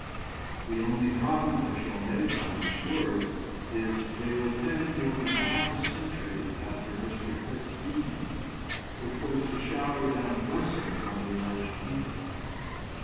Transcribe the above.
" The only comment I shall make on these words is: they were penned more than half a century after Mr. Pitt's Union, which was to shower down blessings on the Irish people.